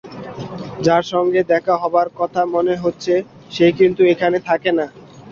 যার সঙ্গে দেখা হবার কথা মনে হচ্ছে, সে কিন্তু এখানে থাকে না।